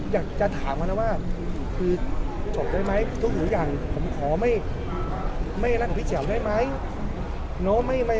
อยากจะถามเขานะว่าคือจบได้ไหมทุกอย่างผมขอไม่รักของพี่แจ๋วได้ไหม